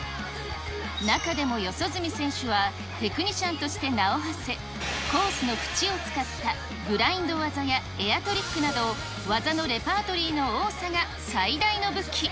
中でも四十住選手は、テクニシャンとして名をはせ、コースのふちを使ったグラインド技やエアトリックなどを、技のレパートリーの多さが最大の武器。